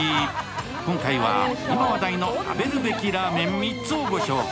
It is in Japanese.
今回は今話題の食べるべきラーメン３つをご紹介。